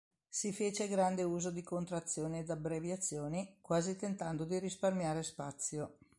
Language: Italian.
Si fece grande uso di contrazioni ed abbreviazioni, quasi tentando di risparmiare spazio.